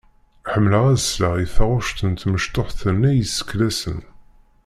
Ḥemmleɣ ad sleɣ i taɣect n tmecṭuḥt-nni i yesseklasen.